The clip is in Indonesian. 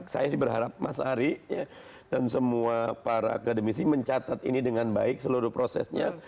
saya sih berharap mas ari dan semua para akademisi mencatat ini dengan baik seluruh prosesnya